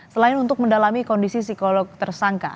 selain untuk mendalami kondisi psikolog tersangka